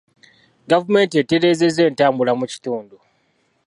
Gavumenti etereezezza entambula mu kitundu.